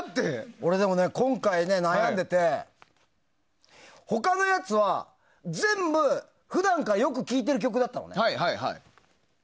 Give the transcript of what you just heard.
俺、今回、悩んでて他のやつは全部、普段からよく聴いてる曲だったのね。